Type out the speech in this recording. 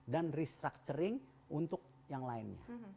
dan restructuring untuk yang lainnya